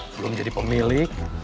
belum jadi pemilik